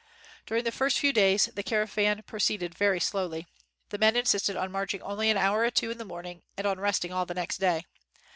During the first few days, the caravan proceeded very slowly. The men insisted on marching only an hour or two in the morning and on resting all the next day.